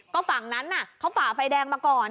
ก็ฝั่งนั้นเขาฝ่าไฟแดงมาก่อน